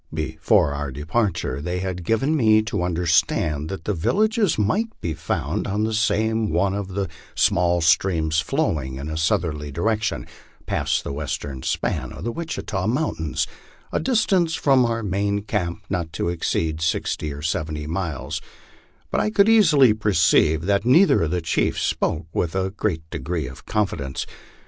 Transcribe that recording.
Before our departure they had given me to understand that the villages might be found on some one of the small streams flowing in a southerly direction past the western span of the Witchita mountains, a distance from our main camp not exceeding sixty or seventy miles ; but I could easily perceive that neither of the chiefs spoke with a great degree of confidence.